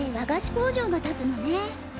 工場が建つのね。